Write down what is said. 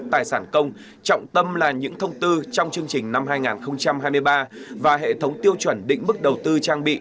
tài sản công trọng tâm là những thông tư trong chương trình năm hai nghìn hai mươi ba và hệ thống tiêu chuẩn định mức đầu tư trang bị